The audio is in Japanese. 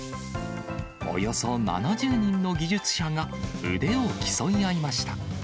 およそ７０人の技術者が腕を競い合いました。